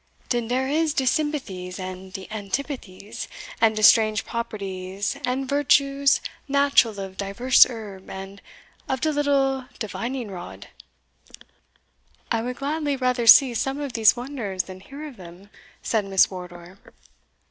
"Den dere is de sympathies, and de antipathies, and de strange properties and virtues natural of divers herb, and of de little divining rod." "I would gladly rather see some of these wonders than hear of them," said Miss Wardour.